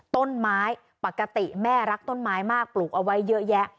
ต้นไม้ปกติแม่รักต้นไม้มากปลูกเอาไว้เยอะแยะ